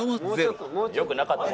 よくなかった。